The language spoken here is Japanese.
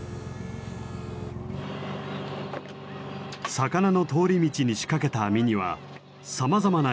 魚の通り道に仕掛けた網にはさまざまな獲物がかかります。